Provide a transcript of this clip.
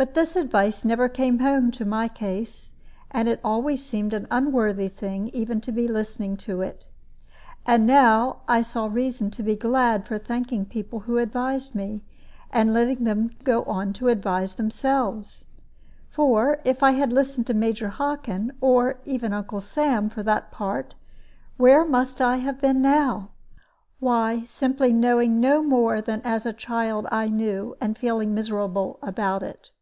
But this advice never came home to my case, and it always seemed an unworthy thing even to be listening to it. And now I saw reason to be glad for thanking people who advised me, and letting them go on to advise themselves. For if I had listened to Major Hockin, or even Uncle Sam for that part, where must I have been now? Why, simply knowing no more than as a child I knew, and feeling miserable about it.